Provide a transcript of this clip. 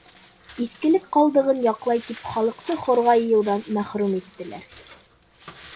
Иҫкелек ҡалдығын яҡлай тип, халыҡты хорға йыйыуҙан мәхрүм иттеләр.